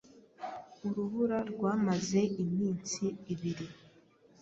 Urubura rwamaze iminsi ibiri.